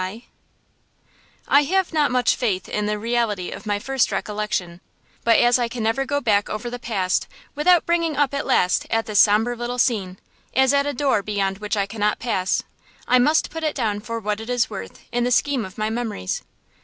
I have not much faith in the reality of my first recollection, but as I can never go back over the past without bringing up at last at this sombre little scene, as at a door beyond which I cannot pass, I must put it down for what it is worth in the scheme of my memories.